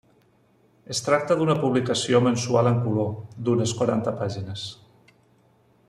Es tracta d'una publicació mensual en color, d'unes quaranta pàgines.